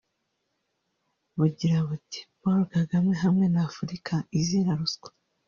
bugira buti “Paul Kagame hamwe na Afurika izira ruswa”